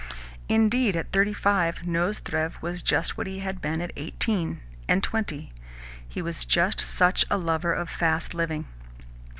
Indeed, at thirty five Nozdrev was just what he had been an eighteen and twenty he was just such a lover of fast living.